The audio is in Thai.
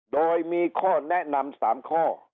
โดยมีข้อแนะนำ๓ข้อ